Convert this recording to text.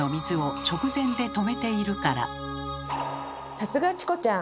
さすがチコちゃん！